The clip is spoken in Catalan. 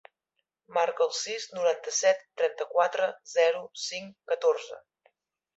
Marca el sis, noranta-set, trenta-quatre, zero, cinc, catorze.